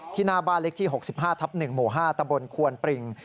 ที่หน้าบ้านเลขที่๖๕๑หมู่๕ตำบลควนปริง